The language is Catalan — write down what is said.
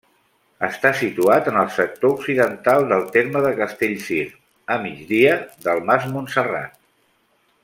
Està situat en el sector occidental del terme de Castellcir, a migdia del Mas Montserrat.